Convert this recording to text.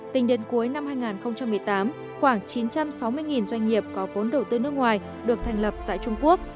tính đến cuối năm hai nghìn một mươi tám khoảng chín trăm sáu mươi doanh nghiệp có vốn đầu tư nước ngoài được thành lập tại trung quốc